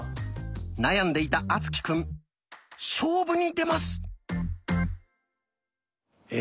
悩んでいた敦貴くん勝負に出ます！え？